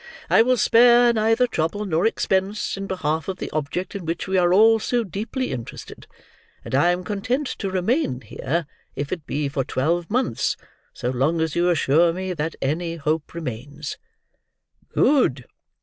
I will spare neither trouble nor expense in behalf of the object in which we are all so deeply interested, and I am content to remain here, if it be for twelve months, so long as you assure me that any hope remains." "Good!"